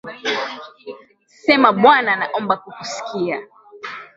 Sema bwana naomba kukusikia